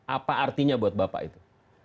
apa artinya buat bapak itu